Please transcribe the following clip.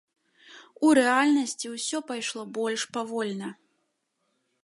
У рэальнасці ўсё пайшло больш павольна.